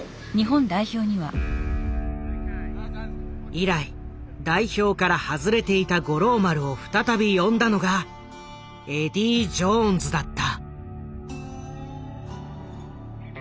以来代表から外れていた五郎丸を再び呼んだのがエディー・ジョーンズだった。